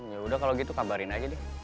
yaudah kalau gitu kabarin aja deh